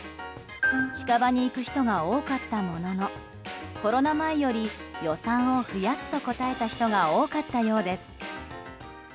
近場に行く人が多かったもののコロナ前より予算を増やすと答えた人が多かったようです。